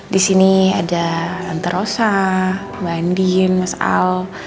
di sini ada tante rosa mbak andien mas al